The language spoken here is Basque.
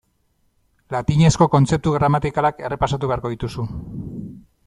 Latinezko kontzeptu gramatikalak errepasatu beharko dituzu.